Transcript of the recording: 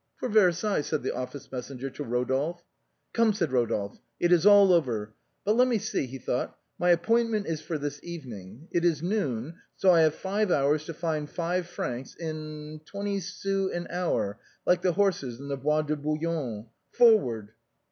" For Versailles," said the office messenger to Eodolphe. " Come," said Eodolphe, " it is all over !... But let me see," he thought, " my appointment is for this evening. It is noon, so I have five hours to find five francs in — twenty sous an hour, like the horses in the Bois de Bou logne. Forward."